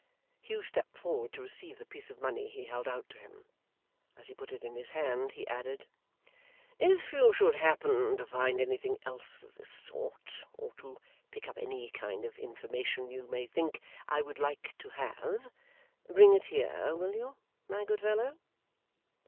Hugh stepped forward to receive the piece of money he held out to him. As he put it in his hand, he added: 'If you should happen to find anything else of this sort, or to pick up any kind of information you may think I would like to have, bring it here, will you, my good fellow?